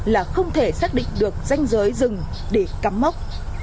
là không thể xác định được danh giới rừng để cắm mốc